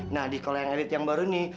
nah di sekolah yang elit yang baru nih